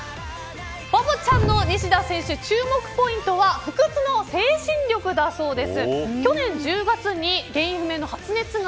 バボちゃんの西田選手注目ポイントは不屈の精神力だそうです。